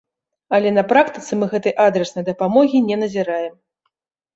Але на практыцы мы гэтай адраснай дапамогі не назіраем.